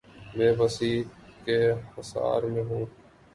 بے بسی کے حصار میں ہوں۔